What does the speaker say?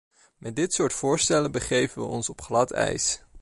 Met dit soort voorstellen begeven we ons op glad ijs.